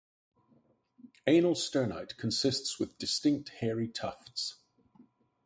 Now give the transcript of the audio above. Anal sternite consists with distinct hairy tufts.